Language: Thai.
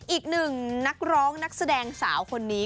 อีกหนึ่งนักร้องนักแสดงสาวคนนี้